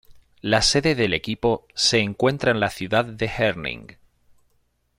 La sede del equipo se encuentra en la ciudad de Herning.